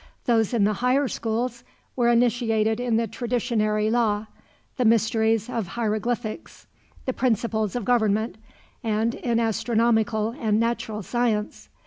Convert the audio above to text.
Those in the higher schools were initiated in the traditionary law, the mysteries of hieroglyphics, the principles of government, and in astronomical and natural science.